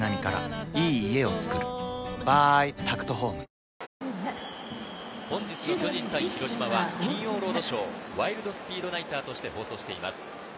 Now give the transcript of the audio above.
乳酸菌が一時的な胃の負担をやわらげる本日の巨人対広島は金曜ロードショー、『ワイルド・スピード』ナイターとして放送しています。